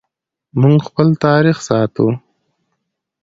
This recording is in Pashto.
موږ خپل تاریخ ساتو